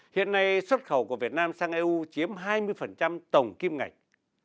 hiện nay xuất khẩu của việt nam sang eu chiếm hai mươi tổng kim ngạch